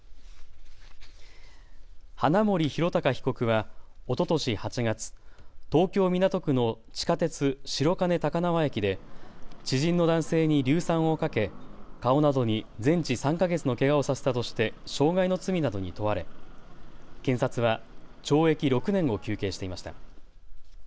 花森弘卓被告はおととし８月、東京港区の地下鉄、白金高輪駅で知人の男性に硫酸をかけ顔などに全治３か月のけがをさせたとして傷害の罪などに問われ検察は懲役６年を求刑していました。